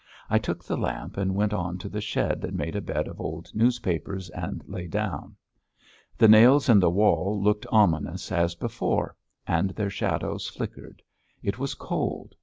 I took the lamp and went on to the shed and made a bed of old newspapers and lay down. The nails in the wall looked ominous as before and their shadows flickered. It was cold.